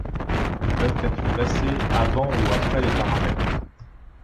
Ils peuvent être placés avant ou après les paramètres.